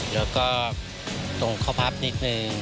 แล้วก็ตรงเข้าพับนิดนึง